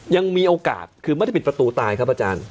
ยังมีโอกาสคือไม่ได้ปิดประตูตายครับอาจารย์